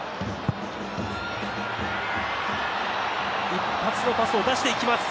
一発のパスを出していきます。